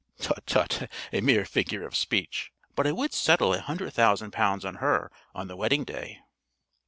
"Tut, tut, a mere figure of speech. But I would settle a hundred thousand pounds on her on the wedding day."